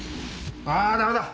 あぁダメだ！